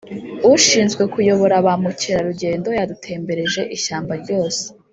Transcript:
ushinzwe kuyobora ba mukerarugendo yadutembereje ishyamba ryose,